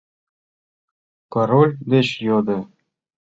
— Король деч йодо.